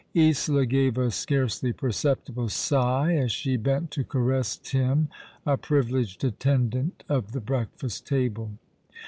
Isola gave a scarcely perceptible sigh as she bent to caress Tim, a privileged attendant of the breakfast table.